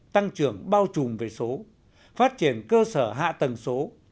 tăng trưởng bao trùm về số phát triển cơ sở hạ tầng số